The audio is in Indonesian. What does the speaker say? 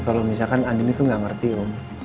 kalau misalkan andi itu gak ngerti om